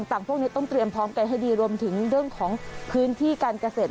พวกนี้ต้องเตรียมพร้อมกันให้ดีรวมถึงเรื่องของพื้นที่การเกษตร